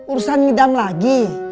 urusan hidam lagi